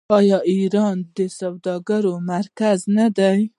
آیا ایران د سوداګرۍ مرکز نه دی؟